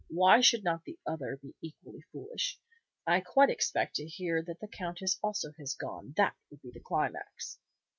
Why should not the other be equally foolish? I quite expect to hear that the Countess also has gone, that would be the climax!"